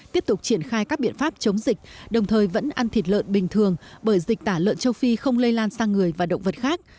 tiếp tục triển khai các biện pháp chống dịch đồng thời vẫn ăn thịt lợn bình thường bởi dịch tả lợn châu phi không lây lan sang người và động vật khác